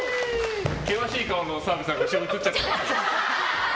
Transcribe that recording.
険しい顔の澤部さんが映っちゃってます。